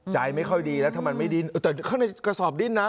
ใจไม่ค่อยดีแล้วถ้ามันไม่ดิ้นแต่ข้างในกระสอบดิ้นนะ